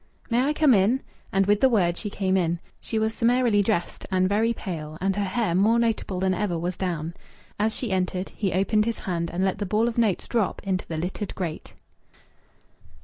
"May I come in?" And with the word she came in. She was summarily dressed, and very pale, and her hair, more notable than ever, was down. As she entered he opened his hand and let the ball of notes drop into the littered grate.